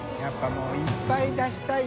もういっぱい出したい。